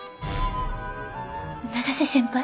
永瀬先輩？